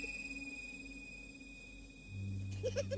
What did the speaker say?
tidak ada yang bisa dihukum